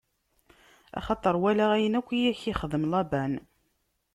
Axaṭer walaɣ ayen akk i k-ixdem Laban.